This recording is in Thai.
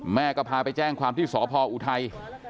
แม่ก็พาไปแจ้งความที่สพออุทัย